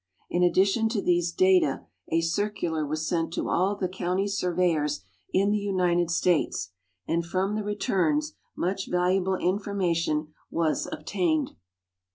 In addition to these data a circular was sent to all the county surveyors in the United States, and from the returns much valuable information was obtained.